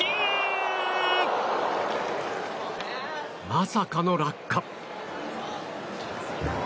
まさかの落下。